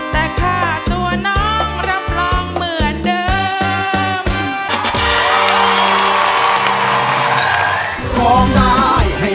แต่ข้าตัวน้องก็รอเกินไป